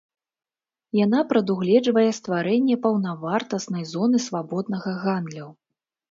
Яна прадугледжвае стварэнне паўнавартаснай зоны свабоднага гандлю.